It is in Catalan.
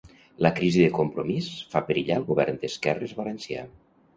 La crisi de Compromís fa perillar el govern d'esquerres valencià.